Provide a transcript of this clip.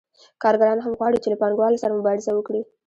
کارګران هم غواړي چې له پانګوالو سره مبارزه وکړي